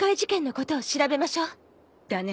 だね。